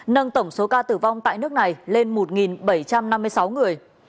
nâng tổng số ca tử vong tại nước này lên một bảy trăm năm mươi sáu người